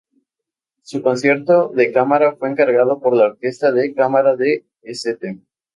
Su Concierto de Cámara fue encargado por la Orquesta de Cámara de St.